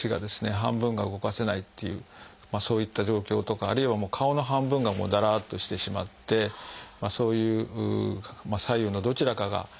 半分が動かせないっていうそういった状況とかあるいは顔の半分がだらっとしてしまってそういう左右のどちらかが駄目だという状況ですね。